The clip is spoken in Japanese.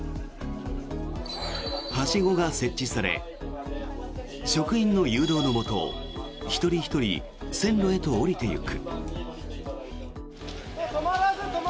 はしごが設置され職員の誘導のもと一人ひとり線路へと降りていく。